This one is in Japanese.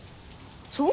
そう？